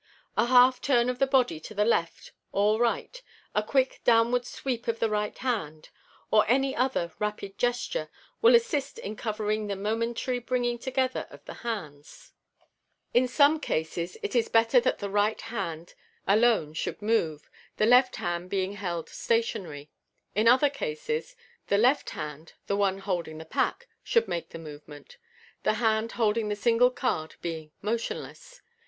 A half turn of the body to the left or right, a quick down ward sweep of the right hand, or any other rapid gesture, will assist in cover ing the momentary Fjg« *& bringing together of the hands In some cases it is better that the right hand alone should move, the left hand being held stationary ; in other cases the left hand (the one holding the pack) should make the move ment, the hand holding the single card being motionless.